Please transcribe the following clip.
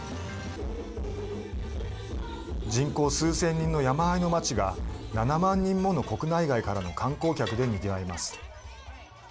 人口数千人の山あいの町が７万人もの国内外からの観光客でにぎわいます。